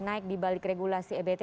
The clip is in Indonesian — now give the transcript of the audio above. naik dibalik regulasi ebt